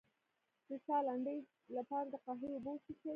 د ساه لنډۍ لپاره د قهوې اوبه وڅښئ